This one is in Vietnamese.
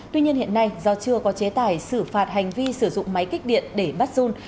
tuy nhiên hiện nay do chưa có chế tài xử phạt hành vi sử dụng máy kích điện để bắt run